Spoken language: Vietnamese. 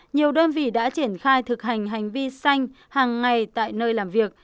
nhiều đơn vị đã triển khai thực hành hành vi xanh hàng ngày tại nơi làm việc